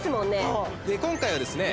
そう今回はですね